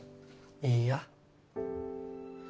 いいや。